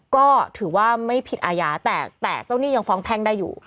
ก็ถือว่าไม่ผิดอาญาแต่เจ้าหนี้ยังฟ้องแพ่งได้อยู่